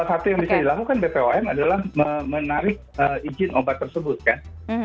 salah satu yang bisa dilakukan bpom adalah menarik izin obat tersebut kan